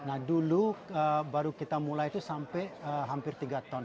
nah dulu baru kita mulai itu sampai hampir tiga ton